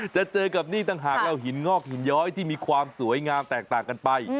จะเจอกับนี่ต่างหากเราหินงอกหินย้อยที่มีความสวยงามแตกต่างกันไป